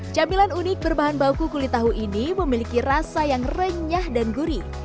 camilan unik berbahan bauku kulit tahu ini memiliki rasa yang renyah dan gurih